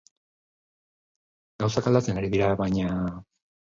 Gauzak aldatzen ari dira, baina...